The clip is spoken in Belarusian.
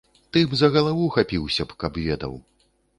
Ты б за галаву хапіўся б, каб ведаў.